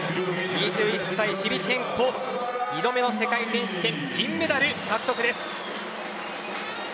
２１歳シビチェンコ２度目の世界選手権銀メダル獲得です。